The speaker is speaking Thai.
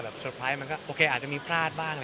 สังเกตมันอาจจะมีพลาดว่าง